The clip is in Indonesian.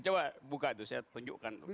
coba buka itu saya tunjukkan